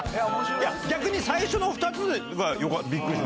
逆に最初の２つがびっくりしました。